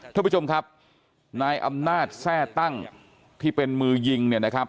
ทุกผู้ชมครับนายอำนาจแทร่ตั้งที่เป็นมือยิง